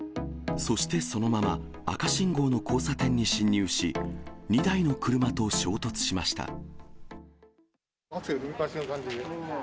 そしてそのまま、赤信号の交差点に進入し、２台の車と衝突しました。